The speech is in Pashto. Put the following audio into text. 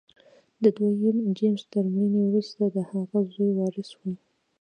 د دویم جېمز تر مړینې وروسته د هغه زوی وارث و.